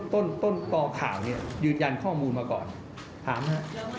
ต้นต้นกอข่าวเนี่ยยืนยันข้อมูลมาก่อนถามฮะ